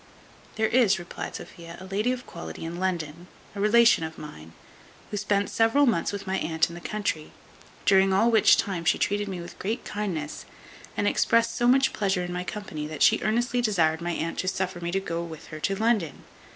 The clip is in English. "There is," replied Sophia, "a lady of quality in London, a relation of mine, who spent several months with my aunt in the country; during all which time she treated me with great kindness, and expressed so much pleasure in my company, that she earnestly desired my aunt to suffer me to go with her to London.